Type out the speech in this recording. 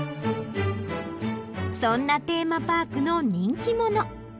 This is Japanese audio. そんなテーマパークの人気者。